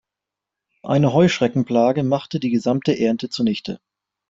Eine Heuschreckenplage machte die gesamte Ernte zunichte.